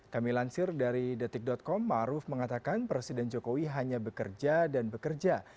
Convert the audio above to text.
kami lansir dari detik com maruf mengatakan presiden jokowi hanya bekerja dan bekerja